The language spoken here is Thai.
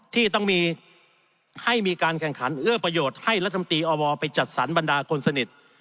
ที่ต้องมีให้มีการแข่งขันเอื้อประโยชน์ให้รัฐมนตรีอวไปจัดสรรบรรดาคนสนิท